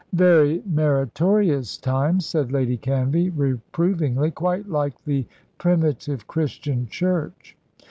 "Very meritorious times," said Lady Canvey, reprovingly "quite like the primitive Christian Church."